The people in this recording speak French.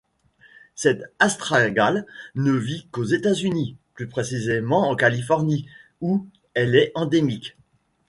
Cette astragale ne vit qu'aux États-Unis, plus précisément en Californie, où elle est endémique.